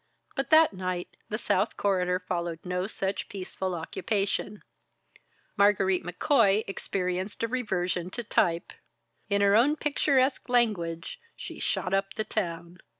But that night, the South Corridor followed no such peaceful occupation. Margarite McCoy experienced a reversion to type. In her own picturesque language, she "shot up the town."